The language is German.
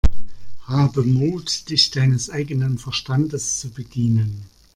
Habe Mut, dich deines eigenen Verstandes zu bedienen!